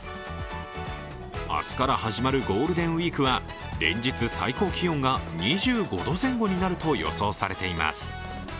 明日から始まるゴールデンウイークは連日、最高気温が２５度前後になると予想されています。